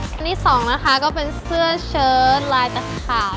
อันที่๒นะคะก็เป็นเสื้อเชิ้นลายแต่ขาว